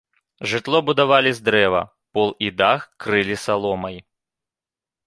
Жытло будавалі з дрэва, пол і дах крылі саломай.